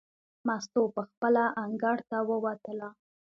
مستو پخپله انګړ ته ووتله.